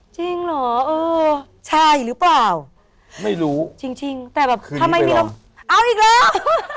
จริงเหรอเออใช่หรือเปล่าไม่รู้จริงจริงแต่แบบคือทำไมมีลมเอาอีกแล้ว